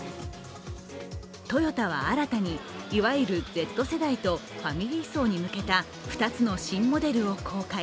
トヨタは新たにいわゆるＺ世代とファミリー層に向けた２つの新モデルを公開。